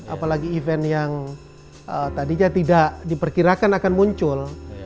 apalagi event yang tadinya tidak diperkirakan akan muncul